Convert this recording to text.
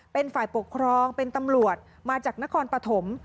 เป็นฝ่ายปกครองเป็นตำรวจมาจากนครปฐม